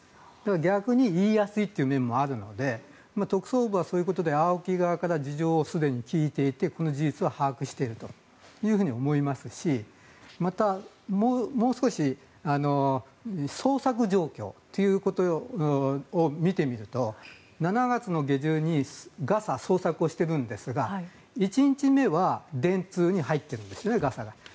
逆に言いやすいという面もあるので特捜部はそういうことでＡＯＫＩ側からすでに事情を聴いていてこの事実は把握していると思いますしまた、もう少し捜索状況ということを見てみると７月の下旬にガサ、捜索をしているんですが１日目は電通に入っているんですよね、ガサが。